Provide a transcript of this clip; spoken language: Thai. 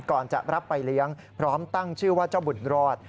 ก่อนจะรับไปเลี้ยงพร้อมตั้งชื่อว่าเจ้าบุญรอด